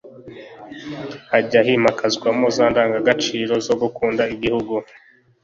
hajya himakazwamo za ndangagaciro zo gukunda igihugu